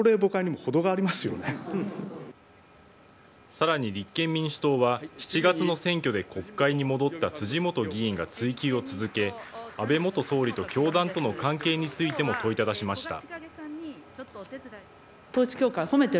さらに、立憲民主党は７月の選挙で国会に戻った辻元議員が追及を続け安倍元総理と教団との関係についても問いただしました。